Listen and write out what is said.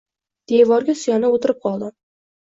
Devorga suyanib oʻtirib qoldim.